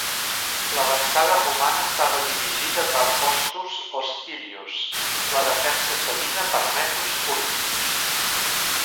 L'avançada romana estava dirigida per Hostus Hostilius, la defensa sabina per Mettus Curtius.